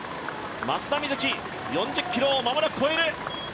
松田瑞生、４０ｋｍをまもなく越える。